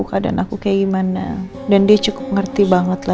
kan belum sehat betul